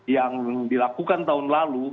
yang dilakukan tahun lalu